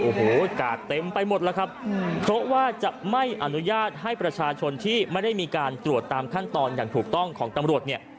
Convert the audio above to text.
โอ้โหกาดเต็มไปหมดแล้วครับเพราะว่าจะไม่อนุญาตให้ประชาชนที่ไม่ได้มีการตรวจตามขั้นตอนอย่างถูกต้องของตำรวจเนี่ย